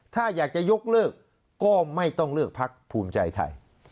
ถ้าอยากจะยกเลิกก็ไม่ต้องเลือกพักภูมิใจไทย